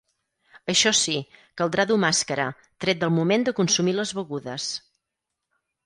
Això sí, caldrà dur màscara, tret del moment de consumir les begudes.